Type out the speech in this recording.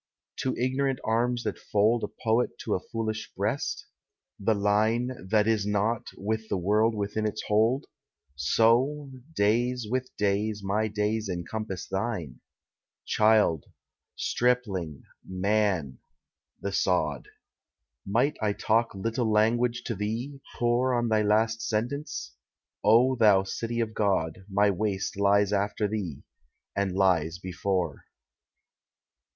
To ignorant arms that fold A poet to a foolish breast? The Line, That is not, with the world within its hold? So, days with days, my days encompass thine. Child, Stripling, Man—the sod. Might I talk little language to thee, pore On thy last silence? O thou city of God, My waste lies after thee, and lies before.